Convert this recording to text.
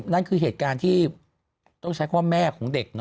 นั่นคือเหตุการณ์ที่ต้องใช้คำว่าแม่ของเด็ก